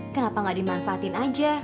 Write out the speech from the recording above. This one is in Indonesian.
kenapa enggak dimanfaatin aja